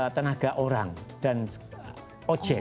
tenaga orang dan ojek